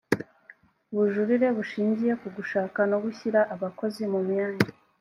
ubujurire bushingiye ku gushaka no gushyira abakozi mu myanya